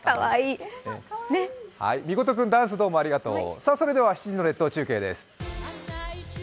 みことくん、ダンスどうもありがとう。